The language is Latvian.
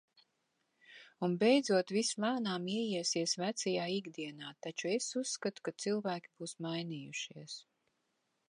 Un beidzot viss lēnām ieiesies vecajā ikdienā, taču es uzskatu, ka cilvēki būs mainījušies.